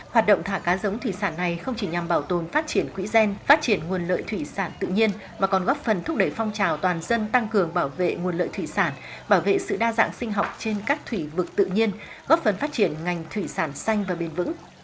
hoạt động thả cá giống thủy sản này không chỉ nhằm bảo tồn phát triển quỹ gen phát triển nguồn lợi thủy sản tự nhiên mà còn góp phần thúc đẩy phong trào toàn dân tăng cường bảo vệ nguồn lợi thủy sản bảo vệ sự đa dạng sinh học trên các thủy vực tự nhiên góp phần phát triển ngành thủy sản xanh và bền vững